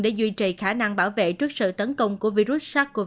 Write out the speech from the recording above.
để duy trì khả năng bảo vệ trước sự tấn công của virus sars cov hai